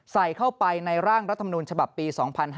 ใส่เข้าไปในร่างรัฐมนูญฉบับปี๒๕๕๙